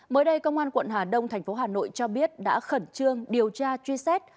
mới đây công an quận hà đông thành phố hà nội cho biết đã khẩn trương điều tra truy xét